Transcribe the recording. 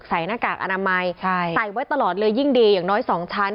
หน้ากากอนามัยใส่ไว้ตลอดเลยยิ่งดีอย่างน้อย๒ชั้น